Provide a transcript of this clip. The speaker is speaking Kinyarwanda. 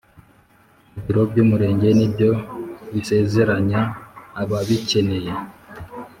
ibiro by’umurenge ni byo bisezeranya ababikeneye.